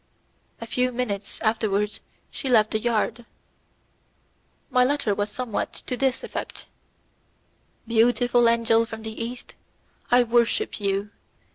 A few minutes afterwards she left the yard. My letter was somewhat to this effect: "Beautiful angel from the East, I worship you.